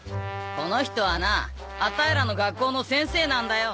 この人はなアタイらの学校の先生なんだよ。